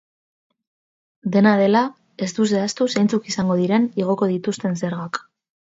Dena dela, ez du zehaztu zeintzuk izango diren igoko dituzten zergak.